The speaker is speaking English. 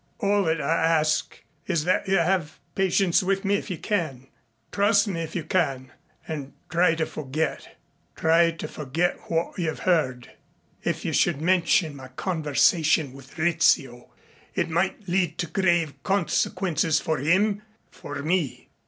All I ask is that you have patience with me if you can, trust me if you can, and try to forget try to forget what you have heard. If you should mention my conversation with Rizzio it might lead to grave consequences for him for me."